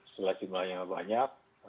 setelah jumlahnya banyak